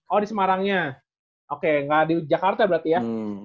oh di semarangnya oke nggak di jakarta berarti ya